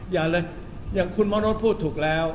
อย่าเลยอย่างคุณมโน้ตพูดถูกแล้ว